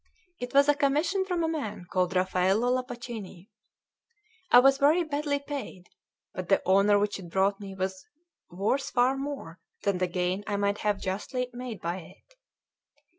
It was a commission from a man called Raffaello Lapaccini. I was very badly paid; but the honour which it brought me was worth far more than the gain I might have justly made by it.